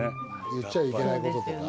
言っちゃいけないこととか。